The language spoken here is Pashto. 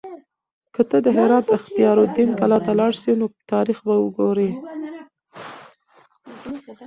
که ته د هرات اختیار الدین کلا ته لاړ شې نو تاریخ به وګورې.